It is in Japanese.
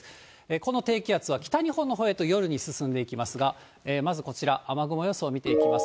この低気圧は北日本のほうへと夜に進んでいきますが、まずこちら、雨雲予想を見ていきます。